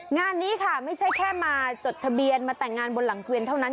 งานนี้ค่ะไม่ใช่แค่มาจดทะเบียนมาแต่งงานบนหลังเกวียนเท่านั้น